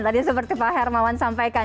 tadi seperti pak hermawan sampaikan